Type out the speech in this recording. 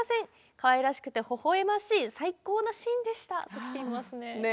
かわいらしくてほほえましい最高のシーンでしたときていますね。